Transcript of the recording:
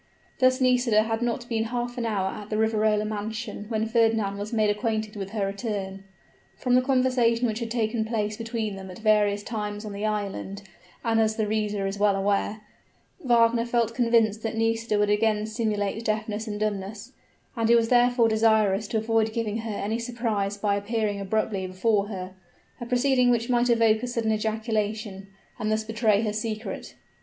Thus Nisida had not been half an hour at the Riverola mansion when Fernand was made acquainted with her return. From the conversation which had taken place between them at various times on the island, and as the reader is well aware, Wagner felt convinced that Nisida would again simulate deafness and dumbness; and he was therefore desirous to avoid giving her any surprise by appearing abruptly before her a proceeding which might evoke a sudden ejaculation, and thus betray her secret.